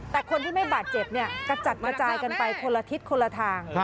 แต่คนที่ไม่บาดเจ็บเนี่ยกระจัดกระจายกันไปคนละทิศคนละทาง